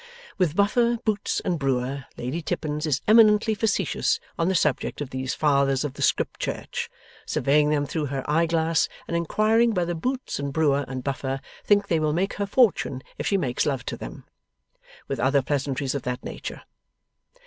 With Buffer, Boots, and Brewer, Lady Tippins is eminently facetious on the subject of these Fathers of the Scrip Church: surveying them through her eyeglass, and inquiring whether Boots and Brewer and Buffer think they will make her fortune if she makes love to them? with other pleasantries of that nature.